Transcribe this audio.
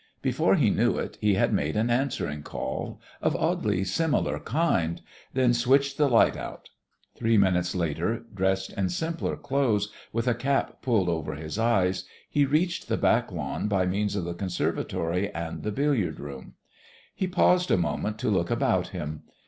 Before he knew it, he had made an answering call, of oddly similar kind, then switched the light out. Three minutes later, dressed in simpler clothes, with a cap pulled over his eyes, he reached the back lawn by means of the conservatory and the billiard room. He paused a moment to look about him.